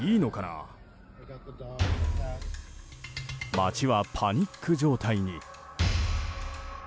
街はパニック状態に。